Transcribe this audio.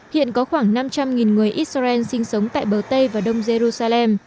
hiện có khoảng năm trăm linh người israel sinh sống tại bờ tây và đông jerusalem